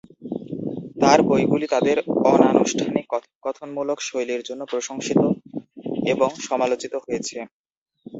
তাঁর বইগুলি তাদের অনানুষ্ঠানিক, কথোপকথনমূলক শৈলীর জন্য প্রশংসিত এবং সমালোচিত হয়েছে।